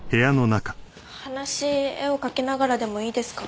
話絵を描きながらでもいいですか？